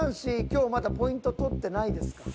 今日まだポイント獲ってないですか。